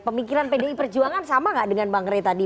pemikiran pdi perjuangan sama gak dengan bang rey tadi